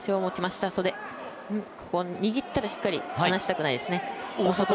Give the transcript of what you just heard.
ここ、握ったらしっかり離したくないですね。